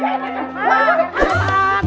mak mak mak